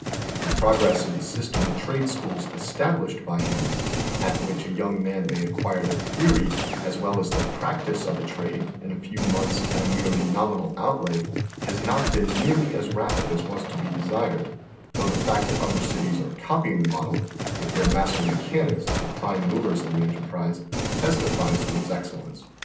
The progress of the system of trade schools established by him, at which a young man may acquire the theory as well as the practice of a trade in a few months at a merely nominal outlay, has not been nearly as I'apid as was to be desired, though the fact that other cities are copying the model, with their master me chanics as the prime movers in the enterprise, testifies to its excellence.